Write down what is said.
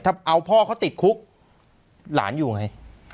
ถ้าเอาพ่อเขาติดคุกหลานอยู่ไง